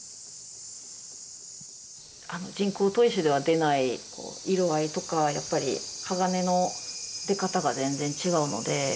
人工砥石では出ない色合いとかやっぱり鋼の出方が全然違うので。